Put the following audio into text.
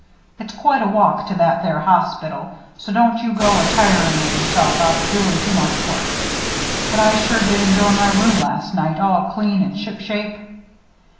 It's quite a walk to that there hospital, so don't you go a tirin' of yourself out doin' too much work; but I sure did enjoy my room last night all clean an' ship shape."